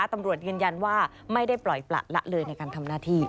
ตำรวจยืนยันว่าไม่ได้ปล่อยประละเลยในการทำหน้าที่